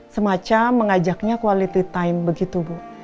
semacam mengajaknya quality time begitu bu